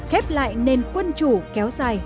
khép lại nên quân chủ kéo dài